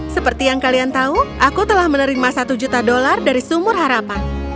seperti yang kalian tahu aku telah menerima satu juta dolar dari sumur harapan